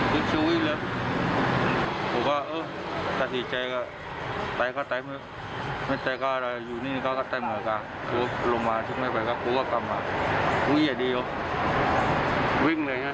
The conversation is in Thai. วิ้งเลยฮะวิ้งอย่างเดียว